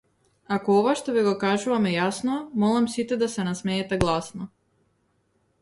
Ако ова што ви го кажувам е јасно молам сите да се насмеете гласно.